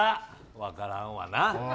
分からんわな。